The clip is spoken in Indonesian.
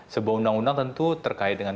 sebuah undang undang tentu terkait dengan